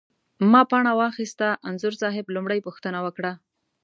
ما پاڼه واخسته، انځور صاحب لومړۍ پوښتنه وکړه.